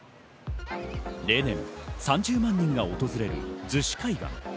例年３０万人が訪れる逗子海岸。